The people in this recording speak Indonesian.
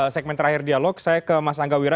segmen terakhir dialog saya ke mas angga wira